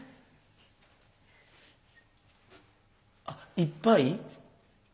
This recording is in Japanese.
あっいっぱい？